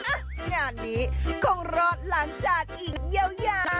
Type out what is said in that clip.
อุ๊ยงานนี้คงรอดล้างจานอีกยาว